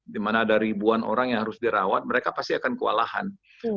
di mana ada ribuan orang yang harus dirawat mereka pasti akan kewalahan